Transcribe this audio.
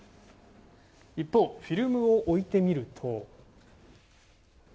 一方、フィルムを置いてみると。